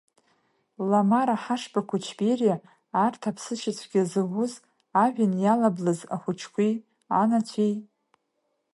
Ламара Ҳашба-Қәычбериа арҭ аԥсышьа цәгьа зауз, ажәҩан иалаблыз ахәыҷқәеи анацәеи…